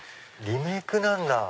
リメイクなんだ。